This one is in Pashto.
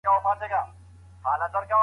قناعت لرل د یو بریالي ژوند لویه نښه ده.